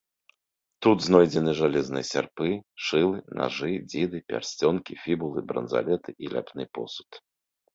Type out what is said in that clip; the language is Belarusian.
Тут знойдзены жалезныя сярпы, шылы, нажы, дзіды, пярсцёнкі, фібулы, бранзалеты і ляпны посуд.